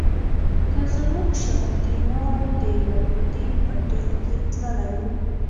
که زموږ شاهدي نه وای د یهودي په ټېل کې تللی و.